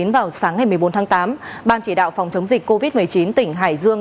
vào sáng ngày một mươi bốn tháng tám ban chỉ đạo phòng chống dịch covid một mươi chín tỉnh hải dương